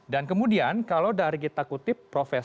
dan kemudian kalau dari kita kutip